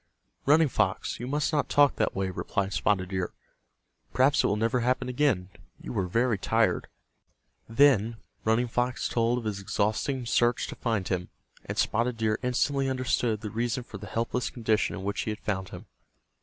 "Running Fox, you must not talk that way," replied Spotted Deer. "Perhaps it will never happen again. You were very tired." Then Running Fox told of his exhausting search to find him, and Spotted Deer instantly understood the reason for the helpless condition in which he had found him.